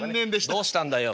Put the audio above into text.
どうしたんだよ。